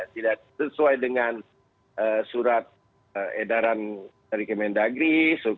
tidak sesuai dengan surat edaran dari kemendagri